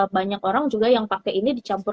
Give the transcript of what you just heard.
banyak orang juga yang pakai ini dicampur